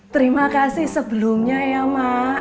terima kasih sebelumnya ya mak